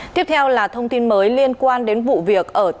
tiếp theo là thông tin mới liên quan đến vụ việc ở tịnh thất